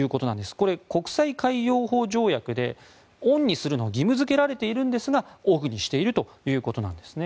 これ、国際海洋法条約でオンにするのが義務付けられているんですがオフにしているということです。